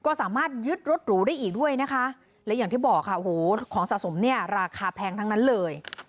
ก็สามารถยึดลดหรูได้อีกด้วยและอย่างที่บอกว่าของสะสมราคาแพงทั้งนั้นเลย